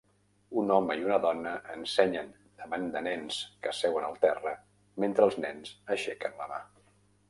Un home i una dona ensenyen davant de nens que seuen al terra mentre els nens aixequen la mà